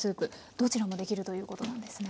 どちらもできるということなんですね。